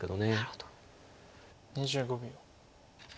２５秒。